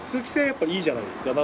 やっぱいいじゃないですか。